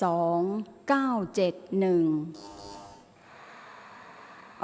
ออกรางวัลที่๖เลขที่๗